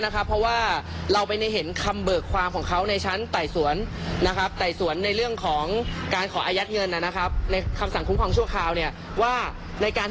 ก็ว่าทางเอ่อครูปรีชาได้มา